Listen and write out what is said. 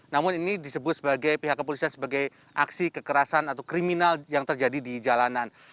namun ini disebut sebagai pihak kepolisian sebagai aksi kekerasan atau kriminal yang terjadi di jalanan